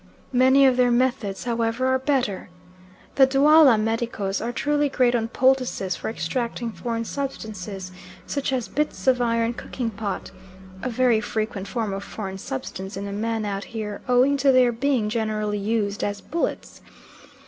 Many of their methods, however, are better. The Dualla medicos are truly great on poultices for extracting foreign substances, such as bits of iron cooking pot a very frequent form of foreign substance in a man out here, owing to their being generally used as bullets.